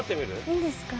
いいんですか？